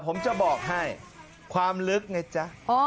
ผมจะบอกให้ความลึกไงจ๊ะ